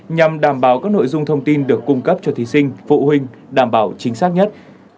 nhằm đảm bảo các nội dung thông tin được cung cấp cho thí sinh phụ huynh đảm bảo chính xác nhất